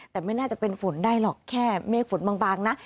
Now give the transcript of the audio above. แต่ไม่น่าจะเป็นฝนได้หรอกแค่เมฆฝนบางนะ